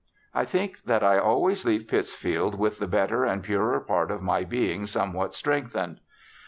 I think that I always leave Pittsfield with the better and purer part of my being somewhat strengthened.'